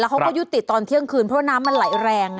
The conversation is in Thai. เขาก็ยุติตอนเที่ยงคืนเพราะน้ำมันไหลแรง